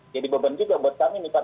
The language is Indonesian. jadi beban juga buat kami pak